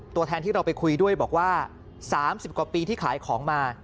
ตัวแทนที่เราไปคุยด้วยบอกว่า๓๐กว่าปีที่ขายของมา